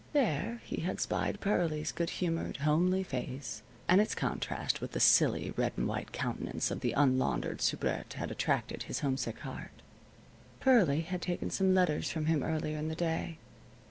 There he had spied Pearlie's good humored, homely face, and its contrast with the silly, red and white countenance of the unlaundered soubrette had attracted his homesick heart. Pearlie had taken some letters from him earlier in the day.